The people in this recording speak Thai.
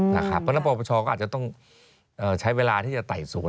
เพราะฉะนั้นปปชก็อาจจะต้องใช้เวลาที่จะไต่สวน